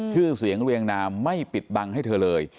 ชื่อเสียงเรียงนามไม่ปิดบังให้เธอเลย